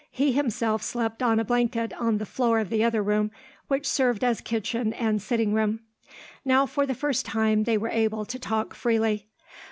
He himself slept on a blanket on the floor of the other room, which served as kitchen and sitting room. Now, for the first time, they were able to talk freely.